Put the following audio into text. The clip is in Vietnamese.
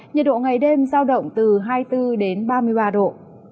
nhiệt độ ngày đêm giao động từ hai mươi bốn đến ba mươi ba độ